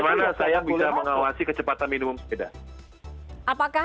bagaimana saya bisa mengawasi kecepatan minimum sepeda